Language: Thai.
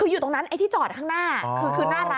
อยู่ตรงนั้นไอ้ที่จอดข้างหน้าคือหน้าร้าน